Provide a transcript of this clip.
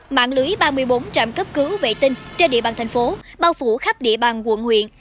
mạng lưới ba mươi bốn trạm cấp cứu vệ tinh trên địa bàn thành phố bao phủ khắp địa bàn quận huyện